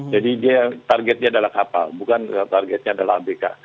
jadi targetnya adalah kapal bukan targetnya adalah abk